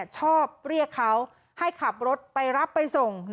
ชอบเรียกเขาให้ขับรถไปรับไปส่ง